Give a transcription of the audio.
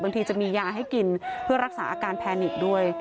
บางทีจะมียาให้กินเพื่อรักษาอาการแพนิกด้วย